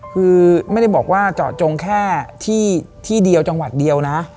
คือไม่ได้บอกว่าเจาะจงแค่ที่เดียวจังหวัดเดียวนะ